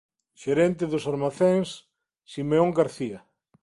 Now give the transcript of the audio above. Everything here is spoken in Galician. Xerente dos Almacenes Simeón García.